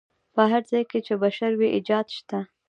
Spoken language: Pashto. په هر ځای کې چې بشر وي ایجاد شته.